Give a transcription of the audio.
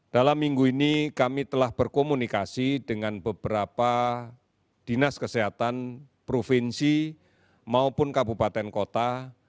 dalam minggu ini kami telah berkomunikasi dengan beberapa dinas kesehatan provinsi maupun kabupaten kota